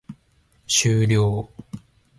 終了